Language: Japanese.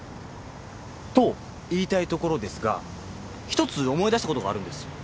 と言いたいところですが１つ思い出したことがあるんです。